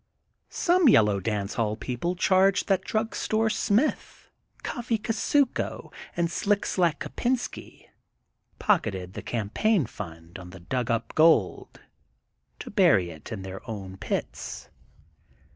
Some Yellow Dance Hall people charge that Drug Store Smith, Coffee Kusuko, and Slick Slack Kopensky pocketed the campaign fund of the dug up gold, to bury it in their own pits.